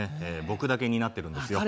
僕だけ担ってるんですよ。